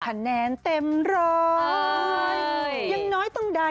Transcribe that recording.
คะแนนเต็มร้อยยังน้อยต้องได้